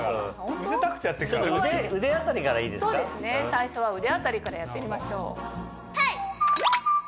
最初は腕辺りからやってみましょう。